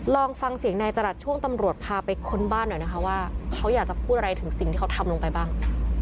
ลองฟังเสียงนายจรัสช่วงตำรวจพาไปค้นบ้านหน่อยนะคะว่าเขาอยากจะพูดอะไรถึงสิ่งที่เขาทำลงไปบ้าง